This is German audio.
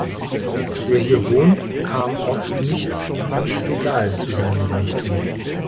Wer hier wohnt, kam oft nicht ganz legal zu seinem Reichtum.